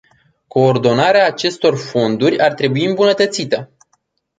Coordonarea acestor fonduri ar trebui îmbunătățită.